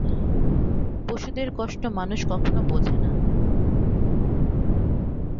পশুদের কষ্ট মানুষ কখনো বোঝে না।